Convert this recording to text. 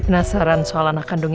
kamu rumahnya dong